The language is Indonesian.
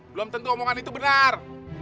belum tentu omongan itu benar